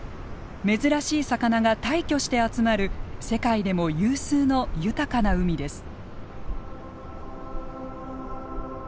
珍しい魚が大挙して集まる世界でも有数の豊かな海です。